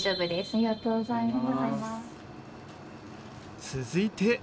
ありがとうございます。